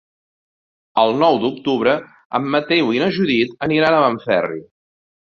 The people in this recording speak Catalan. El nou d'octubre en Mateu i na Judit aniran a Benferri.